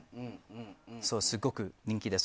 すごく人気です。